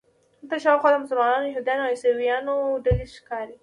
دلته شاوخوا د مسلمانانو، یهودانو او عیسویانو ډلې ښکاري.